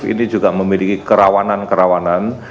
ini juga memiliki kerawanan kerawanan